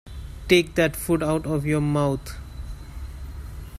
Take that food out of your mouth.